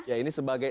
ya ini sebagai